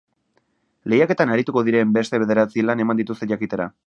Lehiaketan arituko diren beste bederatzi lan eman dituzte jakitera.